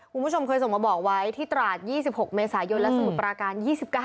คุณผู้ชมเคยส่งมาบอกไว้ที่ตราด๒๖เมษายนและสมุทรปราการ๒๙